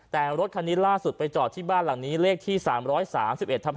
แต่รถคันนี้ล่าสุดไปจอดที่บ้านหลังนี้เลขที่๓๓๑ทับ๕